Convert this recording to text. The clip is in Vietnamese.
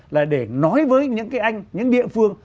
là để nói với những cái anh những địa phương